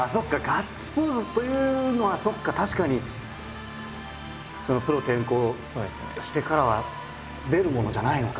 ガッツポーズというのはそうか確かにプロ転向してからは出るものじゃないのか。